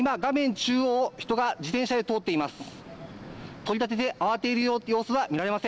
中央を人が自転車で通っています。